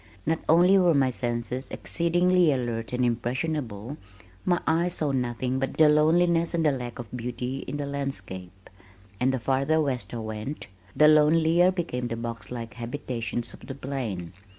Not only were my senses exceedingly alert and impressionable, my eyes saw nothing but the loneliness and the lack of beauty in the landscape, and the farther west I went, the lonelier became the boxlike habitations of the plain.